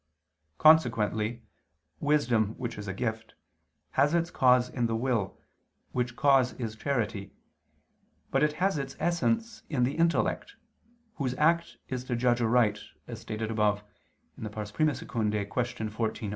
Consequently wisdom which is a gift, has its cause in the will, which cause is charity, but it has its essence in the intellect, whose act is to judge aright, as stated above (I II, Q. 14, A.